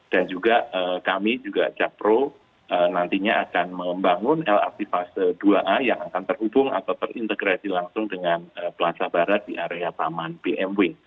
dan juga kami juga japro nantinya akan membangun lrt fase dua a yang akan terhubung atau terintegrasi langsung dengan plaza barat di area taman bmw